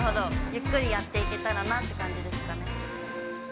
ゆっくりやっていけたらなって感じですかね。